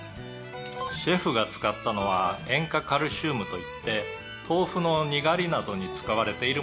「シェフが使ったのは塩化カルシウムといって豆腐のにがりなどに使われているものです」